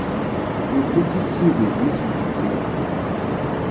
Yewwi-tt-id Sidi, mmi-s n utbir.